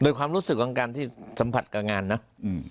โดยความรู้สึกของการที่สัมผัสกับงานนะ